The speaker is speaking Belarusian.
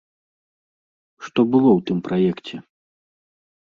Што было ў тым праекце?